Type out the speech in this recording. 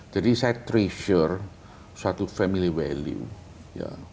jadi saya treasure suatu family value